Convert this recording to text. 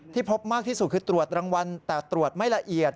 พบมากที่สุดคือตรวจรางวัลแต่ตรวจไม่ละเอียด